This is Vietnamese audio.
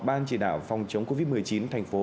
ban chỉ đạo phòng chống covid một mươi chín thành phố